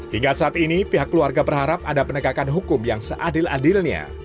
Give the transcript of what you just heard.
hingga saat ini pihak keluarga berharap ada penegakan hukum yang seadil adilnya